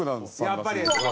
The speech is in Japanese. やっぱり。